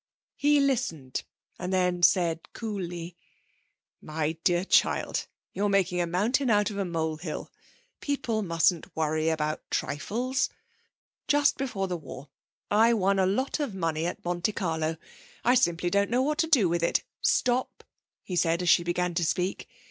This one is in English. He listened, and then said cooly: 'My dear child, you're making a mountain out of a molehill. People mustn't worry about trifles. Just before the war I won a lot of money at Monte Carlo. I simply don't know what to do with it. Stop!' he said, as she began to speak.